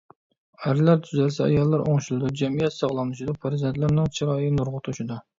ئەرلەر تۈزەلسە ئاياللار ئوڭشىلىدۇ، جەمئىيەت ساغلاملىشىدۇ، پەرزەنتلەرنىڭ چىرايى نۇرغا توشىدۇ.